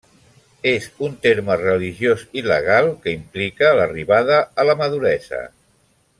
És un terme religiós i legal que implica l'arribada a la maduresa.